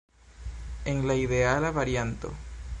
En la ideala varianto.